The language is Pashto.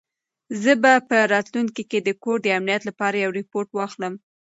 زه به په راتلونکي کې د کور د امنیت لپاره یو روبوټ واخلم.